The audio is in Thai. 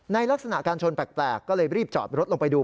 ลักษณะการชนแปลกก็เลยรีบจอดรถลงไปดู